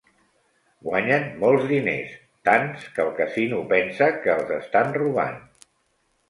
Guanyen molts diners, tants que el casino pensa que els estan robant.